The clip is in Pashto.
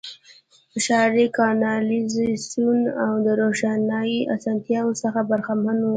ښاري کانالیزاسیون او د روښنايي اسانتیاوو څخه برخمن وو.